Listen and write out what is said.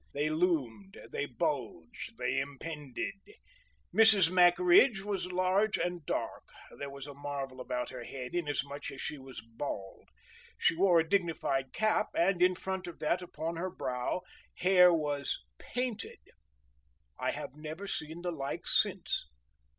They loomed, they bulged, they impended. Mrs. Mackridge was large and dark; there was a marvel about her head, inasmuch as she was bald. She wore a dignified cap, and in front of that upon her brow, hair was painted. I have never seen the like since.